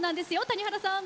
谷原さん。